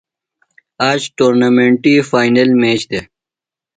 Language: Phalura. آج ٹورنامنٹی فائنل میچ دےۡ۔